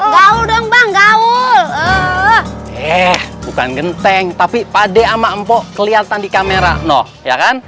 gaul gaul eh bukan genteng tapi pade ama empok kelihatan di kamera no ya kan